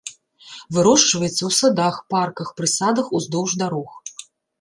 Вырошчваецца ў садах, парках, прысадах уздоўж дарог.